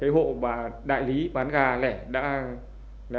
hộ đại lý bán gas